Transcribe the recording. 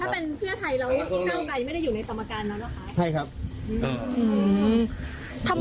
เพราะฉะนั้นในหน้าไทยก้าวไก่ไม่ได้อยู่ในสมการแล้วนะคะ